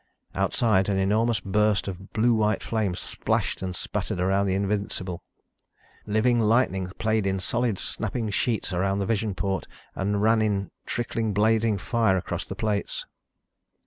Outside, an enormous burst of blue white flame splashed and spattered around the Invincible. Living lightning played in solid, snapping sheets around the vision port and ran in trickling blazing fire across the plates.